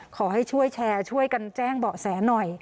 ขอให้ช่วยแชร์ช่วยกันแจ้งเบาะแสหน่อย